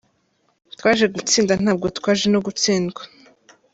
Twaje gutsinda ntabwo twaje ino gutsindwa.